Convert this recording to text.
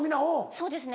そうですね。